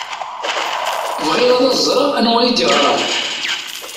Bɣiɣ ad ẓṛeɣ anwa i d-yeɣṛan.